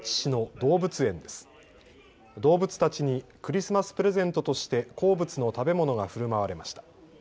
動物たちにクリスマスプレゼントとして好物の食べ物がふるまわれました。